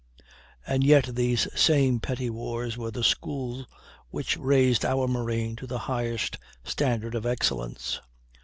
And yet these same petty wars were the school which raised our marine to the highest standard of excellence.